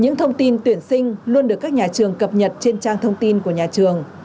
những thông tin tuyển sinh luôn được các nhà trường cập nhật trên trang thông tin của nhà trường